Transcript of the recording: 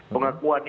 pengakuan ini ya